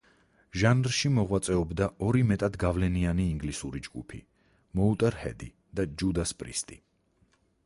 ჟანრში მოღვაწეობდა ორი მეტად გავლენიანი ინგლისური ჯგუფი: მოუტერჰედი და ჯუდას პრისტი.